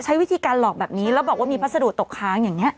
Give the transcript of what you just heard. ใช้วิธีการหลอกแบบนี้แล้วบอกว่ามีพัสดุตกค้างอย่างนี้